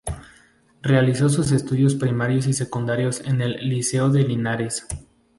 Realizó sus estudios primarios y secundarios en el Liceo de Linares.